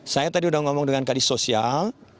saya tadi udah ngomong dengan kadis sosial